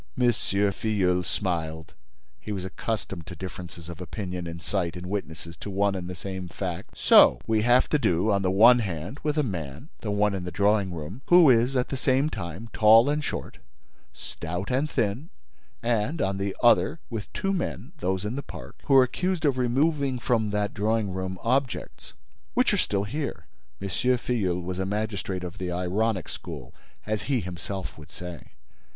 M. Filleul smiled; he was accustomed to differences of opinion and sight in witnesses to one and the same fact: "So we have to do, on the one hand, with a man, the one in the drawing room, who is, at the same time, tall and short, stout and thin, and, on the other, with two men, those in the park, who are accused of removing from that drawing room objects—which are still here!" M. Filleul was a magistrate of the ironic school, as he himself would say.